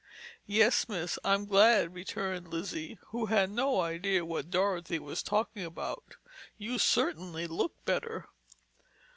"Yes, miss, I'm glad," returned Lizzie, who had no idea what Dorothy was talking about. "You certainly look better."